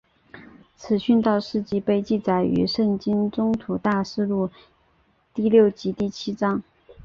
其殉道事迹被记载于圣经宗徒大事录第六及第七章。